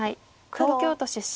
東京都出身。